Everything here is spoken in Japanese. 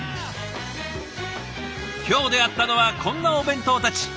今日出会ったのはこんなお弁当たち。